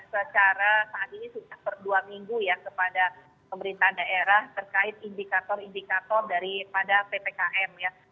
secara saat ini sudah berdua minggu ya kepada pemerintah daerah terkait indikator indikator daripada ppkm ya